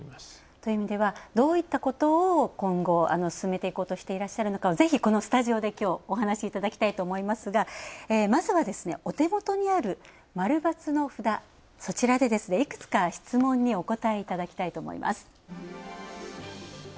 という意味では、どういったことを今後、進めていこうとしていらっしゃるのかをぜひ、このスタジオで、きょう、お話いただきたいと思いますがまずはお手元にある○×、そちらで、いくつか質問にお答えいただきたいと思います。